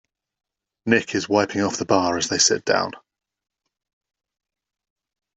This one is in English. Nick is wiping off the bar as they sit down.